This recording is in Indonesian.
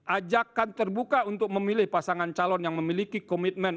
ajakan terbuka untuk memilih pasangan calon yang memiliki komitmen